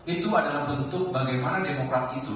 itu adalah bentuk bagaimana demokrat itu